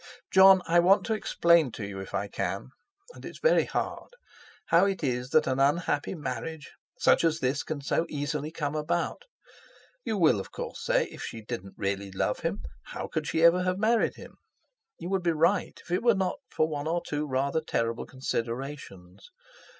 "Jon, I want to explain to you if I can—and it's very hard—how it is that an unhappy marriage such as this can so easily come about. You will of course say: 'If she didn't really love him how could she ever have married him?' You would be right if it were not for one or two rather terrible considerations.